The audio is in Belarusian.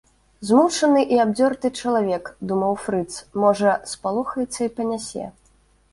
Змучаны і абдзёрты чалавек, думаў фрыц, можа спалохаецца і панясе.